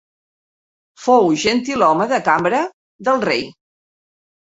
Fou gentilhome de cambra del rei.